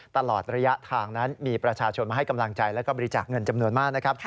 ตลอดระยะทางนั้นมีประชาชนมาให้กำลังใจแล้วก็บริจาคเงินจำนวนมากนะครับ